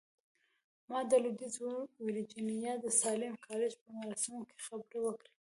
ما د لويديځې ويرجينيا د ساليم کالج په مراسمو کې خبرې وکړې.